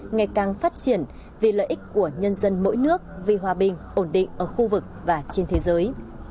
ngày càng phát triển vì lợi ích của nhân dân mỗi nước vì hòa bình ổn định ở khu vực và trên thế giới